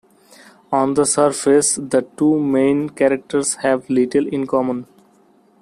On the surface, the two main characters have little in common.